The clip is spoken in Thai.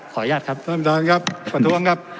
ขออนุญาตครับท่านประธานครับสวัสดีทุกคนครับ